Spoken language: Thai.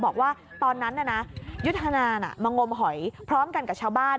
บอกว่าตอนนั้นยุทธนามางมหอยพร้อมกันกับชาวบ้าน